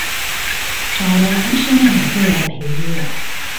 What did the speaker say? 找了安室奈美惠來陪我